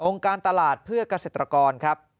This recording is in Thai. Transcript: การตลาดเพื่อเกษตรกรครับ